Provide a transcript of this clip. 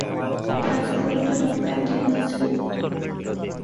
مثالی صورت تو دونوں کا امتزاج ہے۔